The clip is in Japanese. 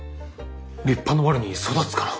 立派なワルに育つかな。